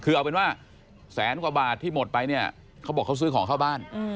คือเอาเป็นว่าแสนกว่าบาทที่หมดไปเนี่ยเขาบอกเขาซื้อของเข้าบ้าน